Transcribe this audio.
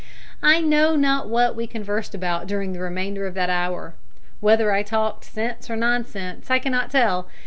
I know not what we conversed about during the remainder of that hour. Whether I talked sense or nonsense I cannot tell.